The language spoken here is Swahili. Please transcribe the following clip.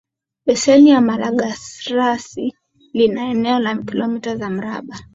Beseni la Malagarasi lina eneo la kilomita za mraba